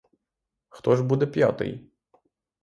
Хто ж буде п'ятий?